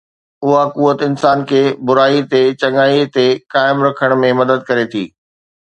اها قوت انسان کي برائي تي چڱائيءَ تي قائم رکڻ ۾ مدد ڪري ٿي